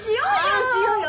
あしようよ。